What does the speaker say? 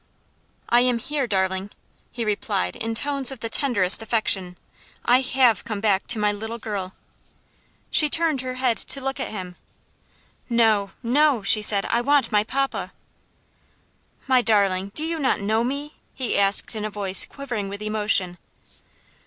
"I am here, darling," he replied in tones of the tenderest affection. "I have come back to my little girl" She turned her head to look at him. "No, no," she said, "I want my papa." "My darling, do you not know me?" he asked in a voice quivering with emotion.